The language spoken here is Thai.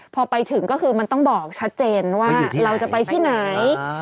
แต่งก็ต้องบอกชัดเจนว่าเราจะไปที่ไหน